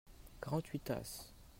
quarante huit tasses.